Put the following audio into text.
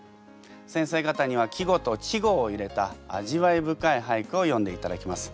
先生方には季語と稚語を入れた味わい深い俳句を詠んでいただきます。